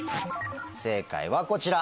正解はこちら。